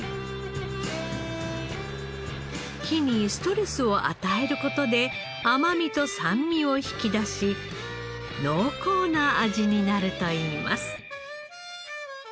木にストレスを与える事で甘みと酸味を引き出し濃厚な味になるといいます。